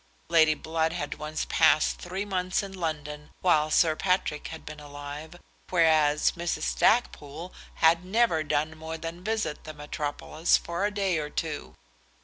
Lady Blood had once passed three months in London while Sir Patrick had been alive, whereas Mrs. Stackpoole had never done more than visit the metropolis for a day or two.